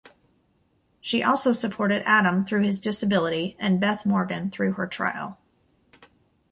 She also supported Adam through his disability and Beth Morgan through her trial.